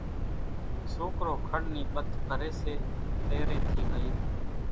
سوڪرو کڙ نِي ٻٿ ڀري سي تيرين ٿي لئين،